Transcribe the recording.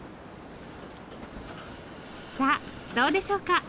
さあどうでしょうか？